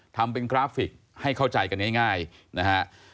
ทำเป็นกราฟิกให้เข้าใจกันง่ายนะฮะ